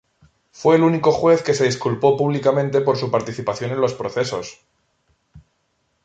Fue el único juez que se disculpó públicamente por su participación en los procesos.